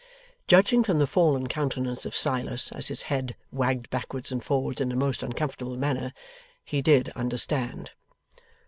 Judging from the fallen countenance of Silas as his head wagged backwards and forwards in a most uncomfortable manner, he did understand.